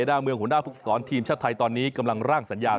หน้าเมืองหัวหน้าภูมิสอนทีมชาติไทยตอนนี้กำลังร่างสัญญา